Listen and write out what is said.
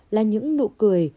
là những nụ cười